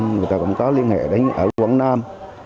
người ta cũng có liên hệ đánh ở quận nam